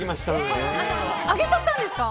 あげちゃったんですか？